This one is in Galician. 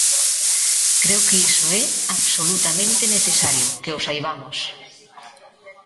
Creo que iso é absolutamente necesario que o saibamos.